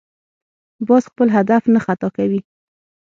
باز خپل هدف نه خطا کوي